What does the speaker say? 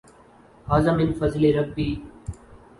ھذا من فضْل ربی۔